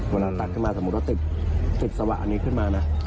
เวลาตัดขึ้นมาสมมุติว่าติดสวะอันนี้ขึ้นมานะ